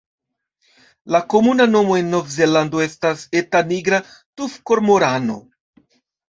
La komuna nomo en Novzelando estas "Eta nigra tufkormorano".